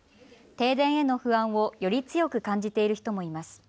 停電への不安をより強く感じている人もいます。